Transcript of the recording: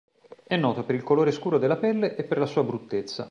È noto per il colore scuro della pelle e per la sua bruttezza.